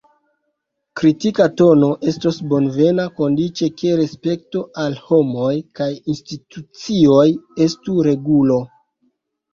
Kritika tono estos bonvena, kondiĉe ke respekto al homoj kaj institucioj estu regulo.